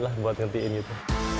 bisa juga buat ngertiin gitu